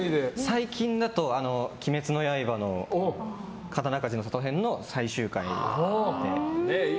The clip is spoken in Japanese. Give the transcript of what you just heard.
最近だと「鬼滅の刃」の「刀鍛冶の里編」の最終回で。